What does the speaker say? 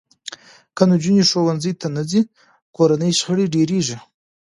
که نجونې ښوونځي ته نه ځي، کورني شخړې ډېرېږي.